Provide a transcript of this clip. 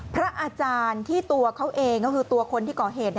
พระอาจารย์ที่ตัวเขาเองก็คือตัวคนที่ก่อเหตุ